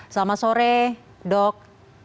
selamat sore dok